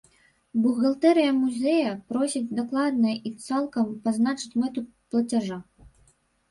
Бухгалтэрыя музея просіць дакладна і цалкам пазначаць мэту плацяжа.